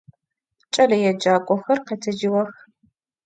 Ç'eleêcak'oxer khetecığex.